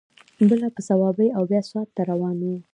بله په صوابۍ او بیا سوات ته روان و.